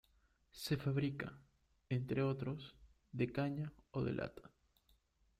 Se fabrica, entre otros, de caña o de lata.